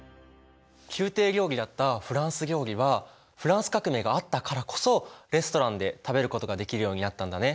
宮廷料理だったフランス料理はフランス革命があったからこそレストランで食べることができるようになったんだね。